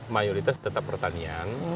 mayoritas tetap pertanian